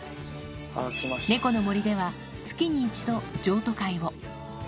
猫の森では、月に１度、譲渡会を。